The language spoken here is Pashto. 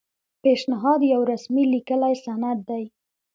پیشنهاد یو رسمي لیکلی سند دی.